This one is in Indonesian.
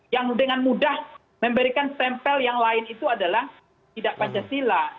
yang dengan mudah memberikan tempel yang lain itu adalah tidak pancasila